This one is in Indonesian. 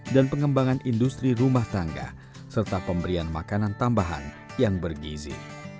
dan pengembangan industri rumah tangga serta pemberian makanan tambahan yang bergizi